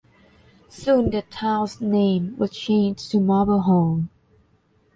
Soon the town's name was changed to Marble Hall.